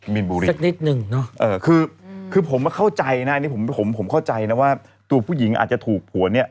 มีนบุริกคือผมเข้าใจนะผมเข้าใจนะว่าตัวผู้หญิงอาจจะถูกหัวเนี่ย